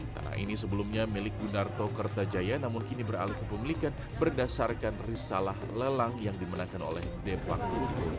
tanah ini sebelumnya milik gunarto kertajaya namun kini beralih ke pemilikan berdasarkan risalah lelang yang dimenangkan oleh dewan